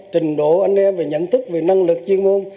trình độ anh em về nhận thức về năng lực chuyên môn